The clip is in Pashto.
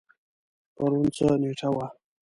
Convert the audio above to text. پرون څه نیټه وه؟